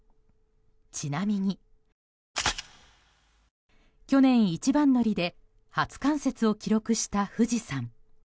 ちなみに、去年一番乗りで初冠雪を記録した富士山。